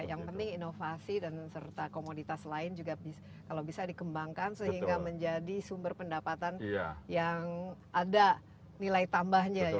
yang penting inovasi dan serta komoditas lain juga kalau bisa dikembangkan sehingga menjadi sumber pendapatan yang ada nilai tambahnya